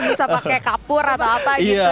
bisa pakai kapur atau apa gitu